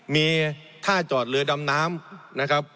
มีท่าจอดเรือดำน้ำนะครับ